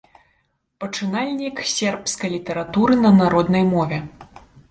Пачынальнік сербскай літаратуры на народнай мове.